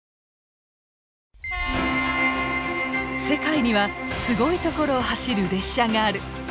世界にはすごい所を走る列車がある！